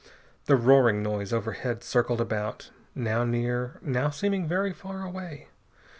The roaring noise overhead circled about, now near, now seeming very far away.